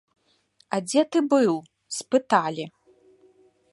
А дзе ты быў, спыталі.